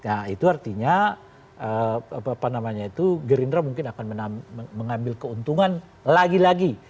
nah itu artinya apa namanya itu gerindra mungkin akan mengambil keuntungan lagi lagi